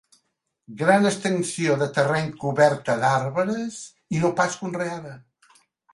Gran extensió de terreny coberta d'arbres i no pas conreada.